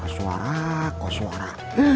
suara kau suara